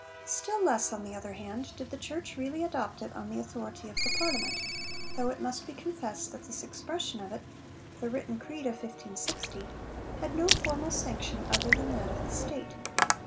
Still less, on the other hand, did the Church really adopt it on the authority of the Parliament; (though it must be confessed that this expression of it the written creed of 1560 had no formal sanction other than that of the State).